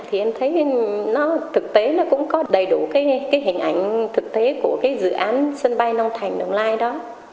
thì em thấy thực tế cũng có đầy đủ hình ảnh thực tế của dự án sân bay long thành đồng lai đó